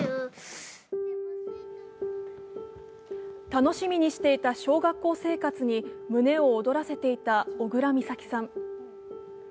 楽しみにしていた小学校生活に胸を躍らせていた小倉美咲さん。